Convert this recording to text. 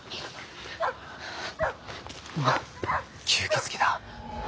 吸血鬼だ。